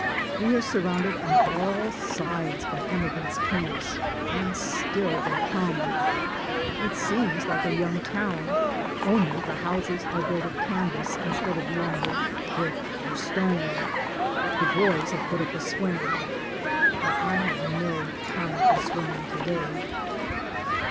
We are surrounded on all sides by emigrants' camps, and still they come. It seems like a young town, only the houses are built of canvas instead of lumber, brick or stone. The boys have put up a swing, but I have no time for swinging to day.